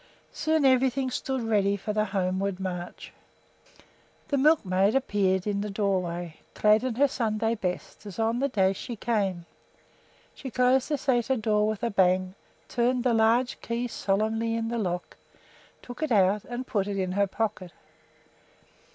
Soon everything stood ready for the homeward march. The milkmaid appeared in the doorway, clad in her Sunday best, as on the day she came. She closed the sæter door with a bang, turned the large key solemnly in the lock, took it out and put it in her pocket.